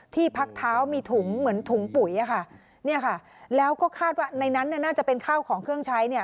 ที่พักเท้ามีถุงเหมือนถุงปุ๋ยอะค่ะเนี่ยค่ะแล้วก็คาดว่าในนั้นเนี่ยน่าจะเป็นข้าวของเครื่องใช้เนี่ย